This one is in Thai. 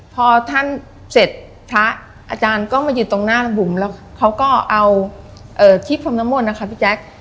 พอท่านเสร็จพระอาจารย์ก็มายืนตรงหน้าบุ๋มแล้วเขาก็เอาที่พรมน้ำมนต์นะคะพี่แจ๊ค